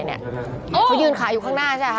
เขายืนขาอยู่ข้างหน้าใช่ไหมฮะตุ้งเขายืนขาอยู่ข้างหน้าใช่ไหมฮะ